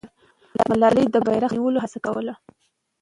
ملالۍ د بیرغ په نیولو هڅه کوله.